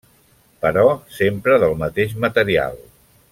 Però sempre del mateix material.